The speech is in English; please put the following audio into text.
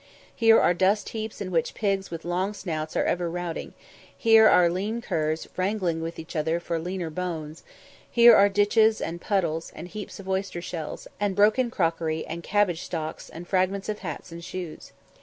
Here are dust heaps in which pigs with long snouts are ever routing here are lean curs, wrangling with each other for leaner bones here are ditches and puddles, and heaps of oyster shells, and broken crockery, and cabbage stalks, and fragments of hats and shoes.